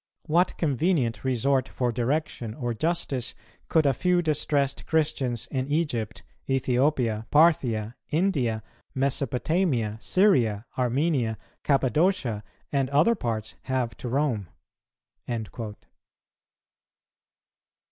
What convenient resort for direction or justice could a few distressed Christians in Egypt, Ethiopia, Parthia, India, Mesopotamia, Syria, Armenia, Cappadocia, and other parts, have to Rome!"